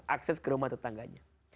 akses ke rumah tetangganya